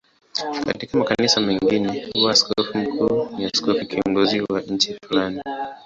Katika makanisa mengine huwa askofu mkuu ni askofu kiongozi wa nchi fulani.